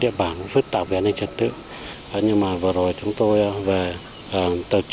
tiếm ảnh phức tạp về an ninh trật tự chúng tôi có những kế hoạch